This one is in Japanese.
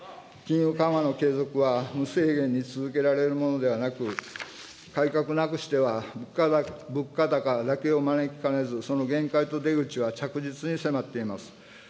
金融緩和の継続は、無制限に続けられるものではなく、改革なくしては物価高だけを招きかねず、その限界と出口は着実に迫っています。